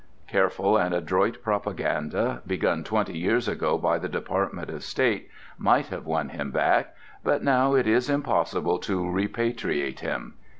Careful and adroit propaganda, begun twenty years ago by the Department of State, might have won him back, but now it is impossible to repatriate him.